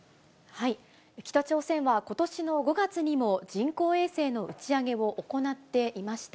北朝鮮はことしの５月にも人工衛星の打ち上げを行っていました。